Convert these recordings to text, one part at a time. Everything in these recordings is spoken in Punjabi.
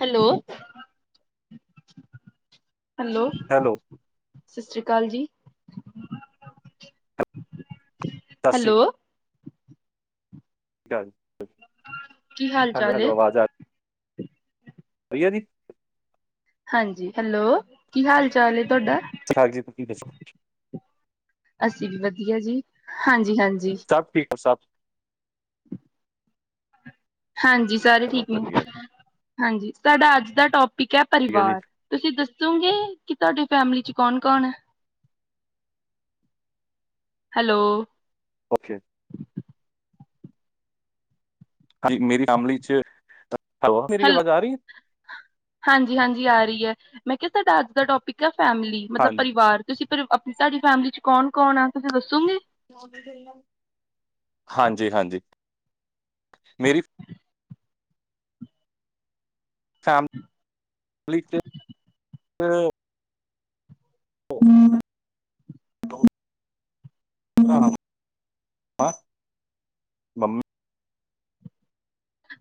ਹੈਲੋ। ਹੈਲੋ, ਸਤਿ ਸ਼੍ਰੀ ਅਕਾਲ ਜੀ। ਸਤਿ ਸ਼੍ਰੀ ਹੈਲੋ। ਕੀ ਹਾਲ ਹੈਲੋ, ਚਾਲ ਏ? ਹੈਲੋ ਆਵਾਜ਼ ਆ ਪਈਆ ਦੀ। ਹਾਂਜੀ, ਹੈਲੋ, ਕੀ ਹਾਲ ਚਾਲ ਏ ਤੁਹਾਡਾ? ਠਾਕ ਜੀ ਤੁਸੀਂ ਦੱਸੋ ਅਸੀਂ ਵੀ ਵਧੀਆ ਜੀ ਹਾਂਜੀ, ਹਾਂਜੀ। ਸਭ ਠੀਕ ਆ ਸਭ। ਹਾਂਜੀ, ਸਾਰੇ ਬਹੁਤ ਠੀਕ ਨੇ ਵਧੀਆ ਜੀ। ਹਾਂਜੀ, ਸਾਡਾ ਅੱਜ ਦਾ ਠੀਕ ਏ ਹੈ ਜੀ ਪਰਿਵਾਰ, ਤੁਸੀਂ ਦੱਸੋਗੇ ਕਿ ਤੁਹਾਡੀ ਫੈਮਿਲੀ ਚ ਕੌਣ ਕੌਣ ਏ? ਹੈਲੋ। ਓਕੇ। ਹਾਂਜੀ ਮੇਰੀ ਫੈਮਲੀ ਚ ਮੇਰੀ ਹੈਲੋ, ਆਵਾਜ਼ ਆ ਰਹੀ ਹੈ ਹਾਂਜੀ, ਹਾਂਜੀ ਆ ਰਹੀ ਐ ਮੈਂ ਕਿਹਾ ਸਾਡਾ ਅੱਜ ਦਾ ਟੋਪਿਕ ਆ। ਫੈਮਿਲੀ ਮਤਲਬ ਹਾਂਜੀ ਪਰਿਵਾਰ ਤੁਸੀਂ ਤੁਹਾਡੀ ਫੈਮਿਲੀ ਚ ਕੌਣ ਹਾਂਜੀ, ਹਾਂਜੀ। ਮੇਰੀ ਸ ਹੂੰ ਹੂੰ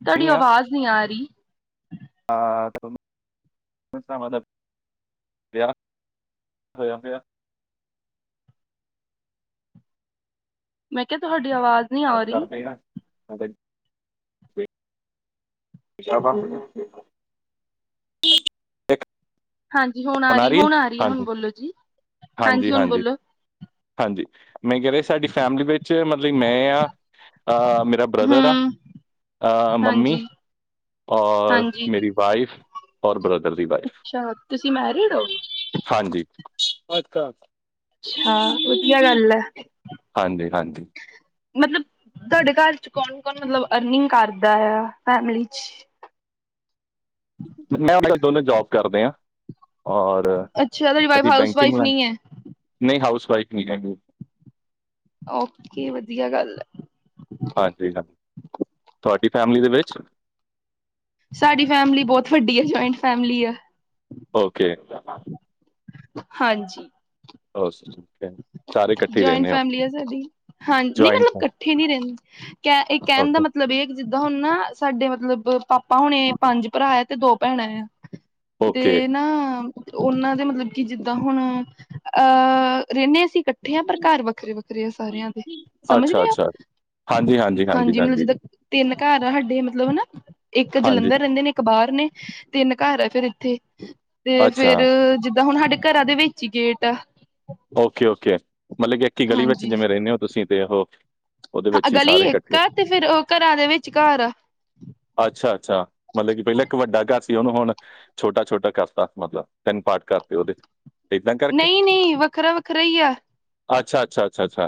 ਤੁਹਾਡੀ ਆਵਾਜ਼ ਨਹੀਂ ਆ ਰਹੀ, ਓਏ ਭਰਾਵਾਂ ਦਾ ਖੇਲੈ ਮੈਂ ਕਿਹਾ ਤੁਹਾਡੀ ਆਵਾਜ਼ ਨਹੀ ਆ ਰਹੀ ਹ ਸ਼ਾਬਾਸ ਇਕ ਹਾਂਜੀ ਹੁਣ ਆ ਰਹੀ ਹੁਣ ਆ ਰਹੀ ਐ ਹੁਣ ਬੋਲੋ ਜੀ ਹਾਂਜੀ ਹੁਣ ਹਾਂਜੀ, ਲਾਲ ਸਾਡੀ ਫੈਮਲੀ ਵਿੱਚ ਮਤਲਬ ਮੈਂ ਆ ਮੇਰਾ ਬ੍ਰਦਰ ਹਮ ਆ, ਮੰਮੀ ਹਾਂਜੀ ਔਰ ਹਾਂਜੀ ਮੇਰੀ ਵਾਈਫ ਔਰ ਬ ਅੱਛਾ ਤੁਸੀਂ ਮੈਰਿਡ ਹੋ ਹਾਂਜੀ ਅੱਛਾ ਅੱਛਾ ਵਧੀਆ ਗੱਲ ਐ। ਹਾਂਜੀ-ਹਾਂਜੀ, ਮਤਲਬ ਤੁਹਾਡੇ ਘਰ ਚ ਕੌਣ ਕੌਣ ਮਤਲਬ ਅਰਨਿੰਗ ਕਰਦਾ ਆ? ਕੋਈ ਆਵਾਜ਼ ਨਹੀਂ, ਦੋਨੇ ਜੋਬ ਕਰਦੇ ਆਂ ਔਰ ਅੱਛਾ ਤੁਹਾਡੀ ਵਾਈਫ ਅਸੀਂ ਹਾਊਸ ਬੈਂਕਿੰਗ ਵਾਈਫ ਹੈ ਨਹੀਂ ਹਾਊਸ, ਰਾਈਟ ਨਹੀਂ ਰਹਿੰਦੇ। ਓਕੇ ਵਧੀਆ ਗੱਲ ਐ। ਹਾਂਜੀ, ਤੁਹਾਡੀ ਫੈਮਿਲੀ ਦੇ ਵਿੱਚ ਸਾਡੀ ਫੈਮਿਲੀ ਬਹੁਤ ਵੱਡੀ ਐ ਜੁਇੰਟ ਫੈਮਿਲੀ ਆ। ਓਕੇ, ਹਾਂਜੀ, ਹ ਜੁਇਨ ਫੈਮਲੀ ਆ ਸਾਡੀ ਹਾਂਜੀ ਨਹੀਂ ਜੁਆਇੰਟ ਮਤਲਬ ਇਕੱਠੇ ਨਹੀਂ ਰਹਿੰਦੇ ਕਹਿਣ ਦਾ ਓਕੇ ਮਤਲਬ, ਬਰੇਕ ਜਿੱਦਾਂ ਹੁਣ ਨਾ ਸਾਡੇ ਮਤਲਬ ਪਾਪਾ ਹੁਣੇ ਪੰਜ ਭਰਾ ਆ ਤੇ ਦੋ ਭੈਣਾਂ ਆ, ਓਕੇ ਤੇ ਨਾ, ਉਹਨਾਂ ਦੇ ਮਤਲਬ ਕੀ ਜਿੱਦਾਂ ਹੁਣ ਰਹਿਣੇ ਅਸੀਂ ਇਕੱਠੇ ਆ ਪਰ ਘਰ ਵੱਖਰੇ ਵੱਖਰੇ ਆ ਸਾਰਿਆਂ ਦੇ ਸਮਝ ਅੱਛਾ ਰਹਿਉ ਅੱਛਾ ਹਾਂਜੀ ਮਤਲਬ ਜਿੱਦਾਂ ਤਿੰਨ ਘਰ ਆ ਸਾਡੇ ਮਤਲਬ ਹਨਾ ਇਕ ਹਾਂਜੀ ਜਲੰਧਰ ਰਹਿੰਦੇ ਨੇ ਇੱਕ ਬਾਹਰ ਨੇ ਤਿੰਨ ਘਰ ਫਿਰ ਇਥੇ ਤੇ ਅੱਛਾ ਫਿਰ ਤੇ ਹੁਣ ਸਾਡੇ ਘਰਾਂ ਦੇ ਵਿੱਚ ਹੀ ਗੇਟ ਓਕੇ ਓਕੇ ਮਤਲਬ ਕਿ ਇੱਕ ਹੀ ਗਲੀ ਵਿੱਚ ਹਾਂਜੀ ਜਿਵੇਂ ਰਹਿੰਦੇ ਹੋ ਤੁਸੀਂ ਉਹ ਉਹਦੇ ਵਿੱਚ ਹੀ ਗਲੀ ਸਾਰੇ ਇੱਕ ਇਕੱਠੇ ਆ ਤੇ ਫਿਰ ਉਹ ਘਰਾਂ ਦੇ ਵਿੱਚ ਘਰ ਆ ਅੱਛਾ ਅੱਛਾ ਮਤਲਬ ਕਿ ਪਹਿਲਾਂ ਇੱਕ ਵੱਡਾ ਘਰ ਸੀ ਉਹਨੂੰ ਹੁਣ ਛੋਟਾ ਛੋਟਾ ਕਰਤਾ ਮਤਲਬ ਤਿੰਨ ਭਾਗ ਕਰਤੇ ਉਹਦੇ ਇਦਾਂ ਕਰਕੇ ਨਹੀਂ ਨਹੀਂ ਵੱਖਰਾ ਵੱਖਰਾ ਹੀ ਆ ਅੱਛਾ ਅੱਛਾ ਅੱਛਾ ਅੱਛਾ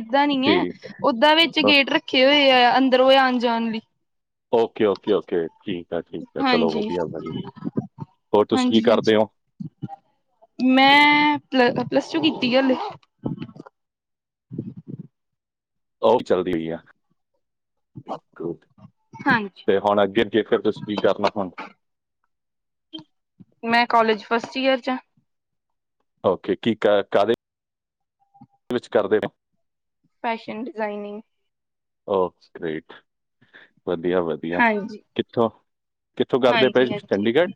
ਇਦਾਂ ਨਹੀਂ ਆ ਠੀਕ ਉਦਾਂ ਵਿੱਚ ਹੈ। ਗੇਟ ਰੱਖੇ ਹੋਏ ਅੰਦਰੋ ਵਿੱਚ ਆਣ ਜਾਣ ਲਈ ਓਕੇ ਓਕੇ ਠੀਕ ਠੀਕ ਆ ਠੀਕ ਆ ਚਲੋ ਹਾਂਜੀ ਵਧੀਆ ਭਾਜੀ ਹੋਰ ਤੁਸੀਂ ਕੀ ਹਾਂਜੀ ਕਰ ਹਾਂਜੀ ਦਿਓ ਮੈਂ ਪਲਸ ਟੂ ਕੀਤੀ [unintelligible] ਆਹੋ ਚਲਦੀ ਪਈ ਆ ਹਾਂਜੀ। ਤੇ ਹੁਣ ਅੱਗੇ ਅੱਗੇ ਫਿਰ ਤੁਸੀਂ ਕੀ ਕਰਨਾ ਹੁਣ ਮੈਂ ਕਾਲਜ ਫਸਟ ਈਅਰ ਚ ਆ ਓਕੇ ਕੀ ਕਾ ਕਾਹਦੇ, [unintelligible] ਕਰਦੇ ਨੇ ਫੈਸ਼ਨ ਡਿਜ਼ਾਈਨਿੰਗ ਓਕੇ ਗਰੇਟ ਵਧੀਆ ਵਧੀਆ ਹਾਂਜੀ। ਕਿੱਥੋਂ ਕਿੱਥੋਂ ਕਰਦੇ ਪਏ ਹਾਂਜੀ-ਹਾਂਜੀ ਚੰਡੀਗੜ੍ਹ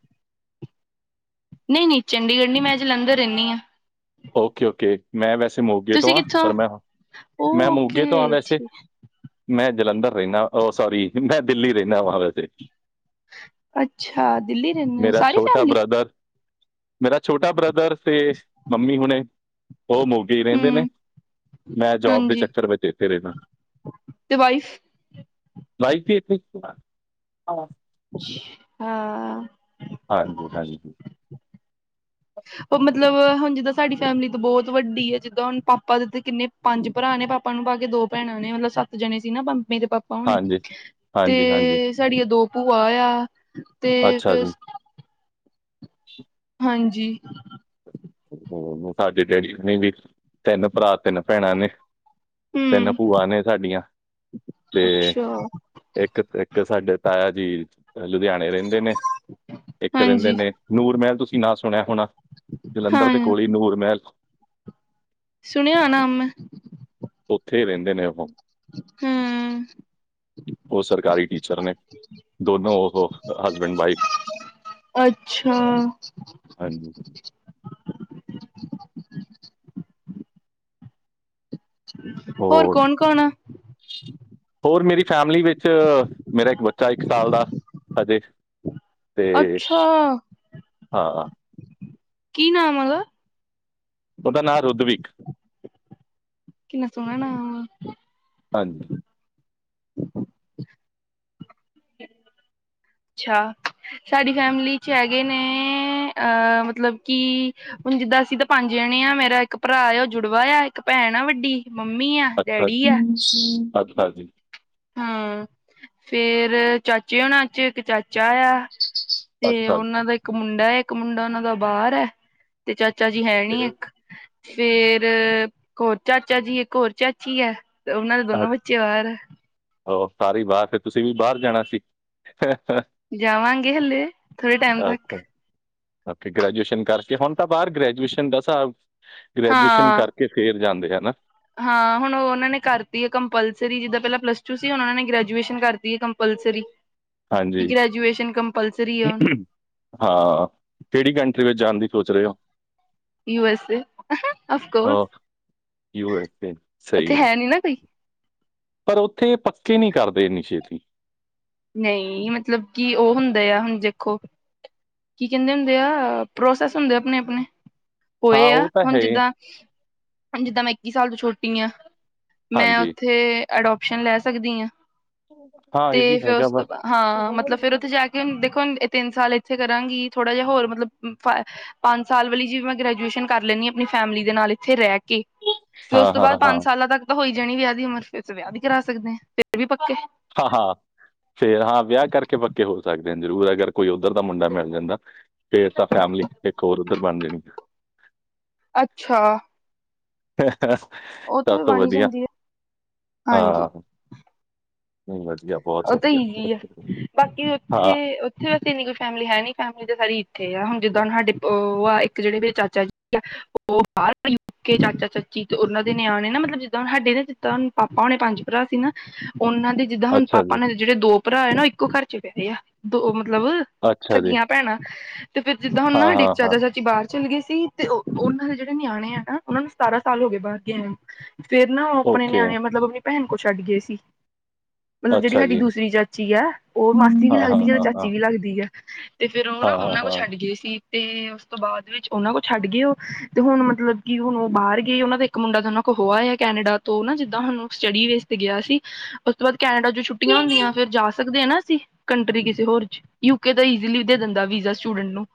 ਨਹੀਂ ਨਹੀਂ ਮੈ ਚੰਡੀਗੜ੍ਹ ਨਹੀਂ ਮੈਂ ਜਲੰਧਰ ਰਹਿਣੀ ਹਾਂ ਓਕੇ ਓਕੇ ਮੈਂ ਵੈਸੇ ਮੋਗੇ ਤੋਂ ਹਾਂ ਕਿੱਥੋਂ ਪਰ ਮੈਂ ਮੈਂ ਮੋਗੇ ਤੋਂ ਹਾਂ ਓਕੇ ਵੈਸੇ ਏ ਠੀ ਮੈਂ ਜਲੰਧਰ ਰਹਿਣਾ ਉਹ ਸੋਰੀ ਮੈਂ ਦਿੱਲੀ ਰਹਿਣਾ ਵਾ ਵੈਸੇ ਅੱਛਾ ਦਿੱਲੀ ਰਹਿੰਦੇ ਉਹ ਮੇਰਾ ਸਾਰੀ ਛੋਟਾ ਫੈਮਲੀ ਬ੍ਰਦਰ ਮੇਰਾ ਛੋਟਾ ਬ੍ਰਦਰ ਤੇ ਮੰਮੀ ਹੁਣੇ ਉਹ ਮੋਗੇ ਰਹਿੰਦੇ ਨੇ ਹੂੰ ਮੈਂ ਜੋਬ ਦੇ ਹਾਂਜੀ ਚੱਕਰ ਵਿੱਚ ਇੱਥੇ ਰਹਿਣਾ ਤੇ ਵਾਈਫ [unintelligible] ਸੀ ਹਾਂ ਹਾਂ ਹਾਂਜੀ ਹਾਂਜੀ ਉਹ ਮਤਲਬ ਹੁਣ ਜਿੱਦਾਂ ਸਾਡੀ ਫੈਮਿਲੀ ਤੋ ਬਹੁਤ ਵੱਡੀ ਹੈ ਜਿੱਦਾਂ ਹੁਣ ਪਾਪਾ ਦੇ ਤੇ ਕਿੰਨੇ ਪੰਜ ਭਰਾ ਨੇ ਆਪਣੇ ਪਾਪਾ ਨੂੰ ਪਾ ਕੇ ਦੋ ਭੈਣਾ ਨੇ ਮਤਲਬ ਸੱਤ ਜਣੇ ਸੀ ਨਾ ਮੇਰੇ ਪਾਪਾ ਹੁਣੇ ਹਾਂਜੀ ਹਾਂਜੀ ਤੇ ਸਾਡੀਆਂ ਦੋ ਭੂਆ ਆ ਤੇ ਅੱਛਾ ਜੀ [inaudible] ਹਾਂਜੀ ਉਹ ਸਾਡੇ ਡੈਡੀ ਹੁਨੇ ਵੀ ਤਿੰਨ ਭਰਾ ਤਿੰਨ ਭੈਣਾਂ ਨੇ ਤਿੰਨ ਹੂੰ ਭੂਆ ਨੇ ਸਾਡੀਆਂ ਤੇ ਅੱਛਾ ਇੱਕ ਤੇ ਇੱਕ ਤੇ ਸਾਡੇ ਤਾਇਆ ਜੀ ਲੁਧਿਆਣੇ ਰਹਿੰਦੇ ਨੇ ਇੱਕ ਰਹਿੰਦੇ ਹਾਂਜੀ ਨੇ ਨੂਰ ਮਹਿਲ ਤੁਸੀਂ ਨਾਂ ਸੁਣਿਆ ਹੋਣਾ ਜਲੰਧਰ ਹਾਂ ਦੇ ਕੋਲੇ ਨੂਰ ਮਹਿਲ ਸੁਣਿਆ ਆ ਨਾਮ ਮੈਂ ਇੱਥੇ ਰਹਿੰਦੇ ਨੇ ਉਹ ਹੂੰ ਉਹ ਸਰਕਾਰੀ ਟੀਚਰ ਨੇ ਦੋਨੋ ਉਹ ਹਸਬੈਂਡ ਵਾਈਫ ਅੱਛਾ ਹਾਂਜੀ ਹੋਰ ਹੋਠ ਕੌਣ ਕੌਣ ਆ ਹੋਰ ਮੇਰੀ ਫੈਮਲੀ ਵਿੱਚ ਮੇਰਾ ਇੱਕ ਬੱਚਾ ਇੱਕ ਸਾਲ ਦਾ ਹਜੇ। ਤੇ ਅੱਛਾ ਹਾਂ ਕੀ ਨਾਮ ਉਦਾ ਉਹਦਾ ਨਾਂ ਰੁਧਵਿਕ ਕਿੰਨਾ ਸੋਹਣਾ ਨਾਮ ਵ ਹਾਂਜੀ ਅੱਛਾ ਸਾਡੀ ਫੈਮਿਲੀ ਚੋ ਹੈਗੇ ਨੇ ਅਹ ਮਤਲਬ ਕਿ ਹੁਣ ਜਿੱਦਾਂ ਅਸੀਂ ਤਾਂ ਪੰਜ ਜਣੇ ਨਿਆ ਮੇਰਾ ਇੱਕ ਭਰਾ ਆ ਉਹ ਜੁੜਵਾ ਆ ਇੱਕ ਭੈਣ ਆ ਵੱਡੀ ਮੰਮੀ ਆ ਅੱਛਾ ਡੈਡੀ ਜੀ ਅੱਛਾ ਜੀ ਹਾ ਫੇਰ ਚਾਚੇ ਹੋਨਾਂ ਚ ਇੱਕ ਚਾਚਾ ਆ ਤੇ ਅੱਛਾ ਜੀ ਉਹਨਾ ਦਾ ਇੱਕ ਮੁੰਡਾ ਹੈ ਇੱਕ ਮੁੰਡਾ ਉਹਨਾਂ ਦਾ ਬਾਹਰ ਹੈ ਤੇ ਚਾਚਾ ਜੀ ਹੈ ਨੀ ਇੱਕ ਫੇਰ ਹੋਰ ਚਾਚਾ ਜੀ ਇੱਕ ਹੋਰ ਚਾਚੀ ਆ। ਉਹਨਾਂ ਦੇ ਅੱਛਾ, ਦੋਨੋ ਬੱਚੇ ਬਾਹਰ। ਉਹ ਸਾਰੇ ਬਾਹਰ ਫਿਰ ਤੁਸੀਂ ਵੀ ਬਾਹਰ ਜਾਣਾ ਸੀ। ਜਾਵਾਂਗੇ ਹਲੇ ਥੋੜੇ ਟਾਈਮ ਤੱਕ ਅੱਗੇ ਗ੍ਰੈਜੂਏਸ਼ਨ ਕਰਕੇ ਹੁਣ ਤਾਂ ਬਾਹਰ ਗ੍ਰੈਜੂਏਸ਼ਨ ਦਾ ਹਿਸਾਬ ਗ੍ਰੈਜੂਏਸ਼ਨ ਹਾਂ ਕਰਕੇ ਫੇਰ ਜਾਂਦੇ ਹੈਨਾ ਹਾਂ ਹੁਣ ਉਹਨਾਂ ਨੇ ਕਰਤੀ ਹੈ ਕੰਪਲਸਰੀ ਜਿੱਦਾਂ ਪਹਿਲਾਂ ਪਲੱਸ ਟੂ ਸੀ ਹੁਣ ਉਹਨਾਂ ਨੇ ਗ੍ਰੈਜੂਏਸ਼ਨ ਕਰਤੀ ਹੈ। ਪਲਸਰੀ ਹਾਂਜੀ ਆ ਹੁਣ ਹਾਂ ਕਿਹੜੀ ਕੰ ਵਿੱਚ ਜਾਣ ਦੀ ਸੋਚ ਰਹੇ ਹੋ। U S A of course U S A ਸਹੀ ਹੈ। ਕੋਈ ਪਰ ਉੱਥੇ ਇਹ ਪੱਕੇ ਨਹੀਂ ਕਰਦੇ ਇੰਨੀ ਛੇਤੀ ਨਹੀਂ ਮਤਲਬ ਕਿ ਉਹ ਹੁੰਦਾ ਆ ਹੁਣ ਦੇਖੋ। ਕੀ ਕਹਿੰਦੇ ਹੁੰਦੇ ਆ ਪ੍ਰੋਸੈਸ ਹੁੰਦੇ ਆਪਣੇ ਆਪਣੇ ਹਾਂ ਹੋਏ ਆ ਉਹ ਤਾਂ ਹੁਣ ਹੈ ਹੀ। ਜਿੱਦਾਂ ਜਿੱਦਾਂ ਮੈਂ ਇੱਕੀ ਸਾਲ ਤੋਂ ਛੋਟੀ ਹਾਂ। ਮੈਂ ਹਾਂਜੀ ਉੱਥੇ ਅਡੋਪਸ਼ਨ ਲੈ ਸਕਦੀ ਹਾਂ ਹਾਂ ਤੇ ਇਹ ਵੀ ਫਿਰ ਹੈਗਾ ਉਸ ਵਾ ਤੋਂ ਬਾਅਦ ਹਾਂ ਮਤਲਬ ਫਿਰ ਉੱਥੇ ਜਾ ਕੇ ਅਮ ਦੇਖੋ ਇਹ ਤਿੰਨ ਸਾਲ ਇੱਥੇ ਕਰਾਂਗੀ ਥੋੜਾ ਜਿਹਾ ਹੋਰ ਮਤਲਬ ਪੰਜ ਸਾਲ ਵਾਲੀ ਜਿ ਮੈਂ ਗ੍ਰੈਜੂਏਸ਼ਨ ਕਰ ਲੈਂਦੀ ਆ ਆਪਣੀ ਫੈਮਿਲੀ ਦੇ ਨਾਲ ਇੱਥੇ ਰਹਿ ਕੇ ਫਿਰ ਉਸ ਹਾਂ ਤੋਂ ਹਾਂ ਬਾਅਦ ਹਾਂ ਪੰਜ ਸਾਲਾਂ ਤੱਕ ਤਾਂ ਹੋਈ ਜਣੀ ਵਿਆਹ ਦੀ ਉਮਰ ਵਿੱਚ ਵਿਆਹ ਵੀ ਕਰਾ ਸਕਦੇ ਹੈ ਫਿਰ ਵੀ ਪੱਕੇ ਹਾਂ ਹਾਂ ਫੇਰ ਹਾਂ ਵਿਆਹ ਕਰਕੇ ਪੱਕੇ ਹੋ ਸਕਦੇ ਨੇ ਜ਼ਰੂਰ ਅਗਰ ਕੋਈ ਉੱਧਰ ਦਾ ਮੁੰਡਾ ਮਿਲ ਸਕਦਾ ਹੈ ਸਟੇਟਸ ਆ ਫੈਮਿਲੀ ਇੱਕ ਹੋਰ ਉੱਧਰ ਬਣ ਜਾਣੀ। ਅੱਛਾ ਅਹ ਅਹ ਉਹ ਤੇ ਸਭ ਵੀ ਤੋ ਬਣ ਵਧੀਆ ਜਾਂਦੀ ਹੈ ਹਾਂਜੀ ਹਾਂ। ਹ [inaudible] ਉਹ ਤਾਂ ਇਹੀ ਆ ਬਾਕੀ ਉੱਥੇ ਹਾਂ ਉੱਥੇ ਬਸ ਇੰਨੀ ਫੈਮਿਲੀ ਹੈ ਨੀਂ ਸਾਰੀ ਇੱਥੇ ਆ ਹੁਣ ਜਿੱਦਾਂ ਸਾਡੇ ਆ ਇੱਕ ਜਿਹੜੇ ਮੇਰੇ ਚਾਚਾ ਜੀ ਆ ਉਹ ਬਾਹਰ ਯੂਕੇ। ਚਾਚਾ ਚਾਚੀ ਤੇ ਉਹਨਾ ਦੇ ਨਿਆਣੇ ਨੇ ਨਾ ਮਤਲਬ ਜਿੱਦਾਂ ਸਾਡੇ ਨਾ ਜਿੱਦਾਂ ਪਾਪਾ ਉਨੇ ਪੰਜ ਭਰਾ ਸੀ ਨਾ ਉਹਨਾਂ ਦੇ ਜਿੱਦਾਂ ਹੁਣ ਅੱਛਾ ਪਾਪਾ ਜੀ ਨੇ ਜਿਹੜੇ ਦੋ ਭਰਾ ਆ ਨਾ ਉਹ ਇੱਕੋ ਘਰ ਚ ਵਿਆਹੇ ਆ। ਮਤਲਬ ਅੱਛਾ ਜੀ ਸਗੀਆਂ ਭੈਣਾਂ ਤੇ ਫੇਰ ਜਿੱਦਾਂ ਹੁਣ ਹਾਂ ਨਾ ਜਿੱਦਾਂ ਹਾਂ ਹਾਂ ਚਾਚਾ ਚਾਚੀ ਬਾਹਰ ਚਲੇ ਗਏ ਸੀ ਤੇ ਉਹਨਾਂ ਦੇ ਜਿਹੜੇ ਨਿਆਣੇ ਆ ਨਾ ਉਹਨਾਂ ਨੂੰ ਸਤਾਰਾਂ ਸਾਲ ਹੋ ਗਏ ਬਾਹਰ ਗਏ ਨੂੰ ਫਿਰ ਨਾ ਉਹ ਆਪਣੇ ਓਕੇ ਨਿਆਣਿਆਂ ਮਤਲਬ ਆਪਣੀ ਭੈਣ ਕੋਲ ਛੱਡ ਗਏ ਸੀ। ਮਤਲਬ ਜਿਹੜੀ ਅੱਛਾ ਸਾਡੀ ਜੀ ਦੂਸਰੀ ਚਾਚੀ ਹੈ ਉਹ ਮਾਸੀ ਵੀ ਹਾਂ ਹਾਂ ਲੱਗਦੀ ਹੈ ਹਾਂ ਹਾਂ ਚਾਚੀ ਵੀ ਲੱਗਦੀ ਹੈ। ਤੇ ਫਿਰ ਉਹ ਨਾ ਹਾਂ ਹਾਂ ਉਹਨਾਂ ਕੋਲ ਹਾਂ ਛੱਡ ਗਏ ਸੀ। ਤੇ ਉਸ ਤੋਂ ਬਾਅਦ ਵਿੱਚ ਉਹਨਾਂ ਕੋਲ ਛੱਡ ਗਏ ਉਹ ਤੇ ਹੁਣ ਮਤਲਬ ਕਿ ਹੁਣ ਉਹ ਬਾਹਰ ਗਏ ਉਹਨਾਂ ਦਾ ਇੱਕ ਮੁੰਡਾ ਤਾਂ ਉਹਨਾਂ ਕੋਲ ਹੋਆਇਆ ਹੈ ਕੈਨੇਡਾ ਤੋਂ ਨਾ ਜਿੱਦਾਂ ਹੁਣ ਸਟੱਡੀ ਵੇਸ ਤੇ ਗਿਆ ਸੀ ਉਸ ਤੋਂ ਬਾਅਦ ਕੈਨੇਡਾ ਚ ਛੁੱਟੀਆਂ ਹੁੰਦੀਆਂ ਫਿਰ ਜਾ ਸਕਦੇ ਹੈ ਨਾ ਅਸੀਂ ਕੰਟਰੀ ਕਿਸੇ ਹੋਰ ਚ ਯੂਕੇ ਦਾ ਈਜ਼ੀਲੀਦੇ ਦਿੰਦਾ ਵੀ ਸਟੂਡੈਂਟ ਨੂੰ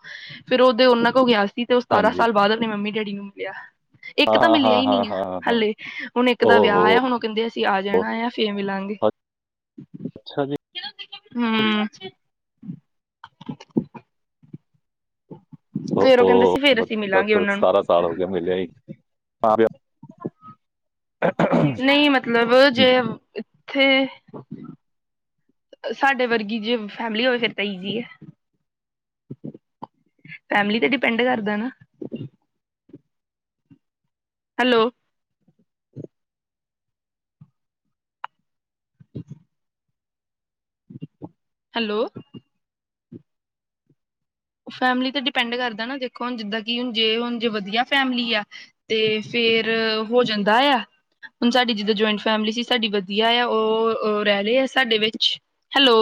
ਫਿਰ ਉਹਦੇ ਉਹਨਾਂ ਕੋਲ ਗਿਆ ਸੀ ਤੇ ਉਹ ਸਤਾਰਾ ਹਾਂਜੀ ਸਾਲ ਬਾਅਦ ਆਪਣੇ ਮੰਮੀ ਡੈਡੀ ਨੂੰ ਮਿਲਿਆ ਇੱਕ ਹਾਂ ਤਾਂ ਹਾਂ ਮਿਲਿਆ ਹਾਂ ਹੀ ਹਾਂ ਨਹੀਂ ਹੈ ਹਾਂ ਹਾਂ ਹਲੇੇ ਹੁਣ ਇੱਕ ਦਾ ਵਿਆਹ ਆ ਹੁਣ ਉਹ ਕਹਿੰਦੇ ਅਸੀਂ ਆ ਜਾਣਾ ਆ ਫੇਰ ਮਿਲਾਂਗੇ ਹੂੰ ਉਹ ਫੇਰ ਕਹਿੰਦੇ ਸੀ ਫੇਰ ਉਹ ਅਸੀਂ ਮਿਲਾਂਗੇ ਦਸ ਉਹਨਾਂ ਨੂੰ ਸਤਾਰਾਂ ਸਾਲ ਹੋ ਗਿਆ ਮਿਲਿਆ ਹੀ ਮਾਪਿਆਂ ਤੋ ਨਹੀਂ ਮਤਲਬ ਜੇ ਇੱਥੇ ਸਾਡੇ ਵਰਗੀ ਜੇ ਫੈਮਿਲੀ ਹੋਵੇ ਫਿਰ ਤਾਂ ਈਜ਼ੀ ਹੈ ਫੈਮਲੀ ਤੇ ਡਿਪੈਂਡ ਕਰਦਾ ਨਾ ਹੈਲੋ ਹੈਲੋ ਫੈਮਿਲੀ ਤੇ ਡਿਪੈਂਡ ਕਰਦਾ ਨਾ ਦੇਖੋ ਹੁਣ ਜਿੱਦਾਂ ਕਿ ਹੁਣ ਜੇ ਹੁਣ ਜੇ ਵਧੀਆ ਫੈਮਿਲੀ ਆ ਤੇ ਫੇਰ ਫੇਰ ਹੋ ਜਾਂਦਾ ਆ ਹੁਣ ਸਾਡੀ ਜਿੱਦਾਂ ਜੁਆਇੰਟ ਫੈਮਿਲੀ ਸੀ ਸਾਡੀ ਵਧੀਆ ਆ ਉਹ ਰਹਿ ਰਹੇ ਆ ਸਾਡੇ ਵਿੱਚ ਹੈਲੋ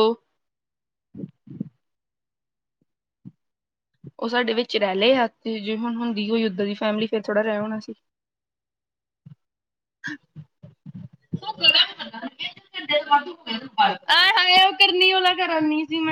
ਉਹ ਸਾਡੇ ਵਿੱਚ ਰਹਿ ਲਏ ਆ ਤੇ ਜ ਹੁਣ ਹੁੰਦੀ ਉਹ ਉਧਰ ਦੀ ਫੈਮਿਲੀ ਫਿਰ ਥੋੜ੍ਹਾ ਰਹਿ ਹੋਣਾ ਸੀ [inaudible] [unintelligible]